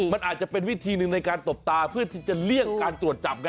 มันอาจจะเป็นวิธีหนึ่งในการตบตาเพื่อที่จะเลี่ยงการตรวจจับไง